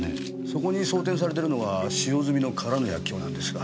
そこに装填されているのが使用済みの空の薬莢なんですが。